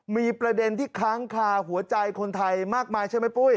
มีประเด็นที่ค้างคาหัวใจคนไทยมากมายใช่ไหมปุ้ย